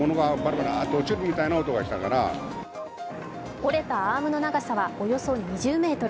折れたアームの長さはおよそ２０ｍ。